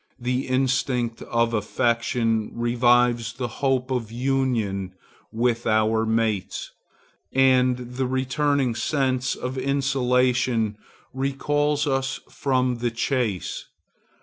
The instinct of affection revives the hope of union with our mates, and the returning sense of insulation recalls us from the chase.